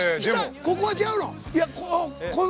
ここは違うの？